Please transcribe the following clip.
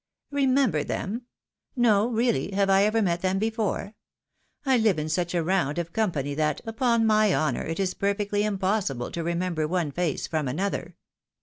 " Remember them ? No, really! have I ever met them be fore ? I Hve in such a round of company, that, upon my honour, it is perfectly impossible to remember one face from another.